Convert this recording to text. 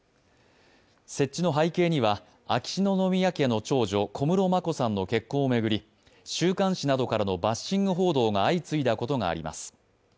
設置の背景には秋篠宮家の長女小室眞子さんの結婚を巡り週刊誌などからのバッシング報道が相次いだことがあります。